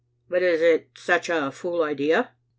"But is it such a fool idea?"